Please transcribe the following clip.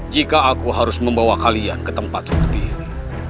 jika aku harus membawa kalian ke tempat seperti ini